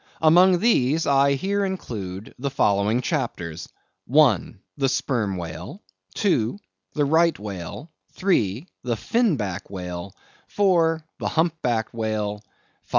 Among these I here include the following chapters:—I. The Sperm Whale; II. the Right Whale; III. the Fin Back Whale; IV. the Hump backed Whale; V.